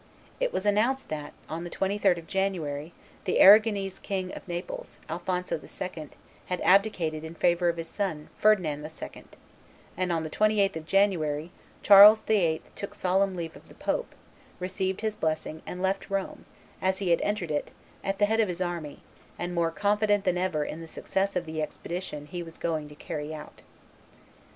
It was announced that, on the 23d of January, the Arragonese King of Naples, Alphonso II., had abdicated in favor of his son, Ferdinand II.; and, on the 28th of January, Charles VIII. took solemn leave of the pope, received his blessing, and left Rome, as he had entered it, at the head of his army, and more confident than ever in the success of the expedition he was going to carry out.